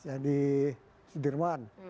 yang di jerman